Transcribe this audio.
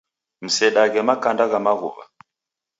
Msedaghe makanda gha maghuwa.